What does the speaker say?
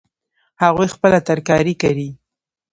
هغوی خپله ترکاري کري